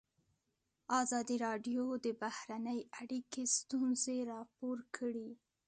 ازادي راډیو د بهرنۍ اړیکې ستونزې راپور کړي.